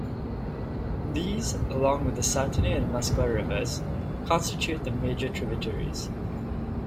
These, along with the Sahtaneh and Muskwa Rivers constitute the major tributaries.